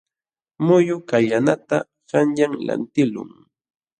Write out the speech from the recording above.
Muyu kallanata qanyan lantiqlun.